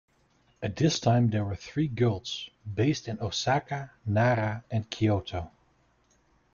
At this time, there were three guilds, based in Osaka, Nara and Kyoto.